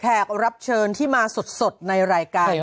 รับเชิญที่มาสดในรายการ